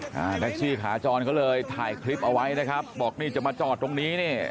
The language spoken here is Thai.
แท็กซี่ขาจรก็เลยถ่ายคลิปเอาไว้นะครับบอกนี่จะมาจอดตรงนี้เนี่ย